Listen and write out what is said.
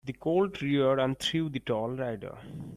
The colt reared and threw the tall rider.